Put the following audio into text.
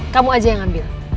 kamu aja yang ambil